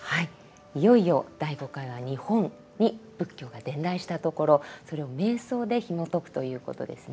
いよいよ第５回は日本に仏教が伝来したところそれを瞑想でひもとくということですね